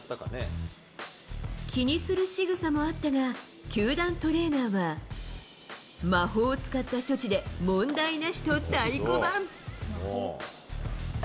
気にするしぐさもあったが、球団トレーナーは、魔法を使った処置で、問題なしと太鼓判。